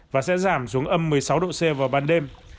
và sẽ giảm xuống âm một mươi sáu độ c vào ban đêm